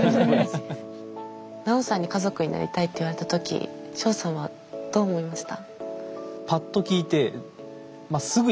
ナオさんに「家族になりたい」って言われた時ショウさんはどう思いました？